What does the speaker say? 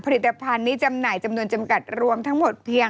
ผลิตภัณฑ์นี้จำหน่ายจำนวนจำกัดรวมทั้งหมดเพียง